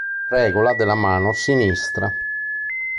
Regola della mano sinistra